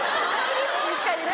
実家にね。